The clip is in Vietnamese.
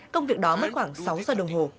công việc đó mất khoảng sáu giờ đồng hồ